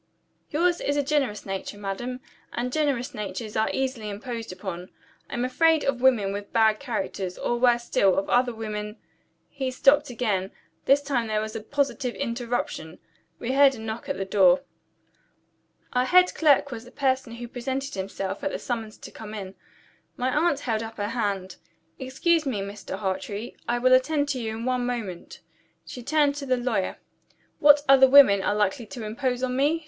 "Yours is a generous nature, madam: and generous natures are easily imposed upon. I am afraid of women with bad characters, or, worse still, of other women " He stopped again. This time there was a positive interruption. We heard a knock at the door. Our head clerk was the person who presented himself at the summons to come in. My aunt held up her hand. "Excuse me, Mr. Hartrey I will attend to you in one moment." She turned to the lawyer. "What other women are likely to impose on me?"